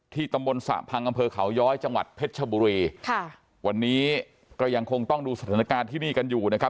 ตำบลสระพังอำเภอเขาย้อยจังหวัดเพชรชบุรีค่ะวันนี้ก็ยังคงต้องดูสถานการณ์ที่นี่กันอยู่นะครับ